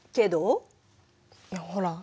ほら。